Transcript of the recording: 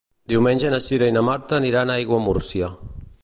Diumenge na Cira i na Marta aniran a Aiguamúrcia.